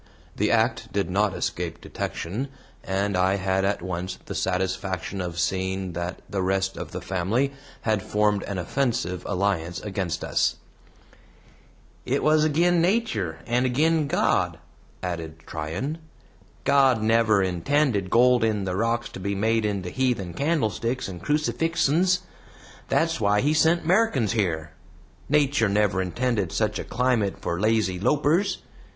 The act did not escape detection, and I had at once the satisfaction of seeing that the rest of the family had formed an offensive alliance against us. "It was agin Nater, and agin God," added Tryan. "God never intended gold in the rocks to be made into heathen candlesticks and crucifixens. That's why he sent 'Merrikans here. Nater never intended such a climate for lazy lopers.